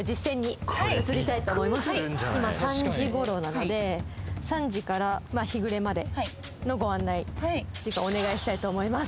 今３時頃なので３時から日暮れまではいのご案内ていうかお願いしたいと思います